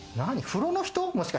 風呂の人？